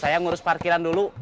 saya ngurus parkiran dulu